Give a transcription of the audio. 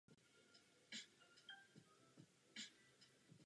Mimo jiné zastával také hodnost bavorského komorníka.